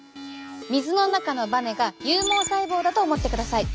水の中のバネが有毛細胞だと思ってください。